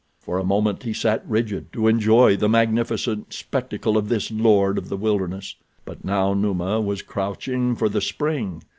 For a moment he sat rigid to enjoy the magnificent spectacle of this lord of the wilderness. But now Numa was crouching for the spring.